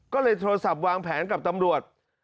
ก็เลยโทรศัพท์วางแผนกับตำรวจ